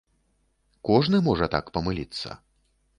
Кожны можа так памыліцца.